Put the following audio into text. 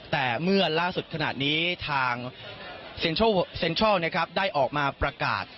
แต่เมื่อล่าสุดขนาดนี้ทางเซ็นทรัลได้ออกมาประกาศ